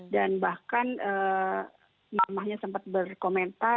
dan bahkan mamahnya sempat berkata